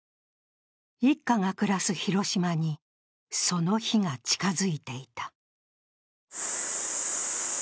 一家が暮らす広島にその日が近づいていた。